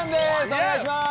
お願いします。